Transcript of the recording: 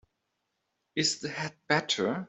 Is the head better?